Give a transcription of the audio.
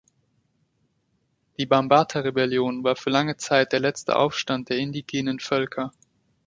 Die Bhambatha-Rebellion war für lange Zeit der letzte Aufstand der indigenen Völker.